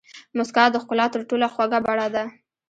موسکا د ښکلا تر ټولو خوږه بڼه ده.